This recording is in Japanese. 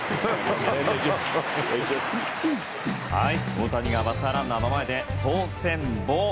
大谷がバッターランナーの前で通せんぼ。